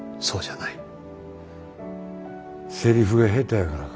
そうじゃない。